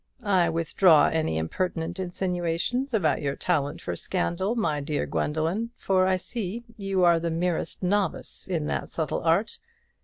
I withdraw any impertinent insinuations about your talent for scandal, my dear Gwendoline; for I see you are the merest novice in that subtle art.